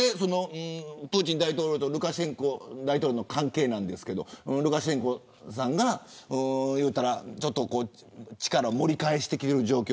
プーチン大統領とルカシェンコ大統領の関係ですがルカシェンコさんが力を盛り返してきている状況。